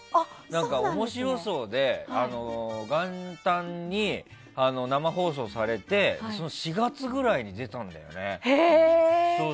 「オモシロソウ」で元旦に生放送されて４月ぐらいに出たんだよね。